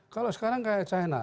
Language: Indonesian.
kalau sekarang kayak china